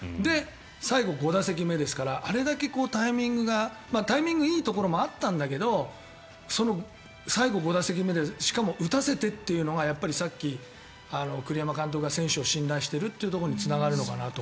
最後、５打席目ですからあれだけタイミングがタイミングがいいところもあったんだけどその最後、５打席目でしかも打たせてというのがやっぱりさっき、栗山監督が選手を信頼しているというところにつながるのかなと。